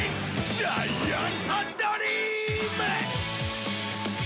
『ジャイアントドリーム』！